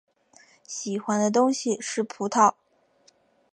喜欢的东西是葡萄。